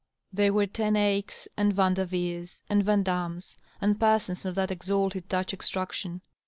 They were Ten Eycks and Vanderveers and Van Dams, and persons of that exalted Dutch extraction.